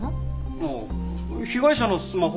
ああ被害者のスマホ